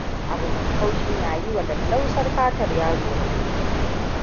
Abu mai kaushi na yi wa lallausar fatar yaro rauni.